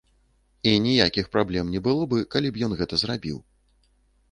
І ніякіх праблем не было бы, калі б ён гэта зрабіў.